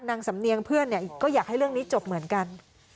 นางสำเนียงเพื่อนก็อยากให้เรื่องนี้จบเหมือนกัน